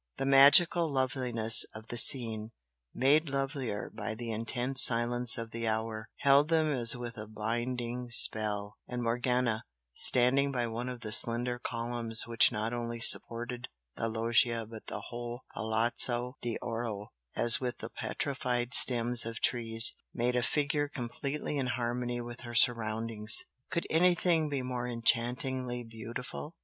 The magical loveliness of the scene, made lovelier by the intense silence of the hour, held them as with a binding spell, and Morgana, standing by one of the slender columns which not only supported the loggia but the whole Palazzo d'Oro as with the petrified stems of trees, made a figure completely in harmony with her surroundings. "Could anything be more enchantingly beautiful!"